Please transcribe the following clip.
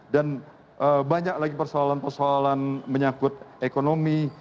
dan banyak lagi persoalan persoalan menyangkut ekonomi